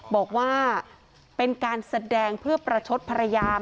บอกว่าเป็นการแสดงเพื่อประชดภรรยา